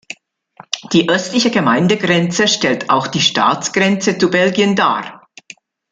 Die östliche Gemeindegrenze stellt auch die Staatsgrenze zu Belgien dar.